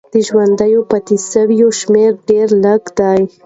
د ژوندي پاتې سویو شمېر ډېر لږ دی.